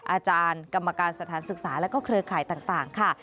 อาจารย์กรรมการสถานศึกษาและเครือข่ายต่างค่ะ